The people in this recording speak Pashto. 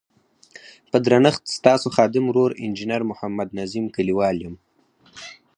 په درنښت ستاسو خادم ورور انجنیر محمد نظیم کلیوال یم.